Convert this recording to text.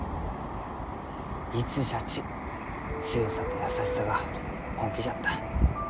いつじゃち強さと優しさが本気じゃった。